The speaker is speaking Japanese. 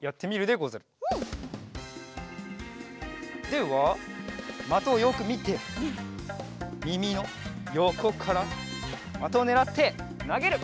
ではまとをよくみてみみのよこからまとをねらってなげる！